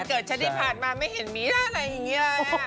เกิดฉันที่ผ่านมาไม่เห็นมีได้อะไรอย่างนี้